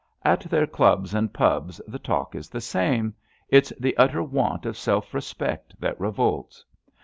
*' At their clubs and pubs the talk is the same. It^s the utter want of self respect that revolts.